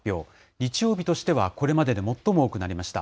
日曜日としてはこれまでで最も多くなりました。